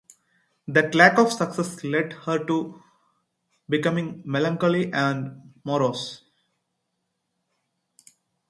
That lack of success led to her becoming "melancholy and morose".